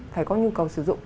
phải có nhu cầu sử dụng